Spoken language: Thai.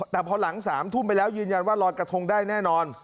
แต่พอหลัง๓ทุ่มไปแล้วยืนยันว่าลอยกระทงได้แน่นอน